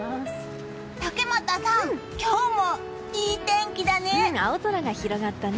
竹俣さん、今日もいい天気だね。